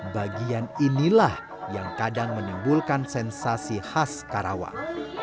bagian inilah yang kadang menimbulkan sensasi khas karawang